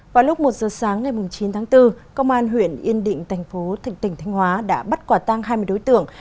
vào lúc một giờ sáng ngày chín tháng bốn công an huyện yên định thành phố thành tỉnh thanh hóa đã bắt quả tang hai mươi đối tượng